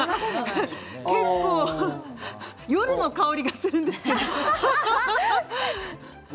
結構、夜の香りがするんですけど。